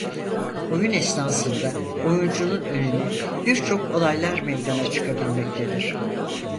Oyun esnasında oyuncunun önüne birçok olaylar meydana çıkabilmektedir.